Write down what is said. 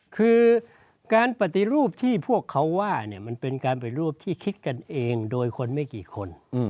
คือการปฏิรูปที่พวกเขาว่ามันเป็นการปฏิรูปที่คิดกันเองโดยคนไม่กี่คน